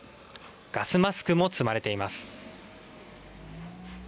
ガスマスクも積まれています。